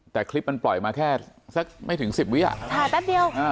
แต่คลิปมันปล่อยมาแค่สักไม่ถึงสิบวิอ่ะถ่ายแป๊บเดียวอ่า